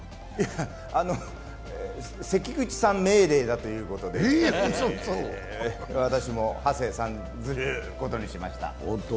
あの関口さん命令だということで私も、はせ参ずることにしました。